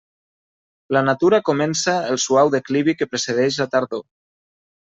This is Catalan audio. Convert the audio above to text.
La natura comença el suau declivi que precedeix la tardor.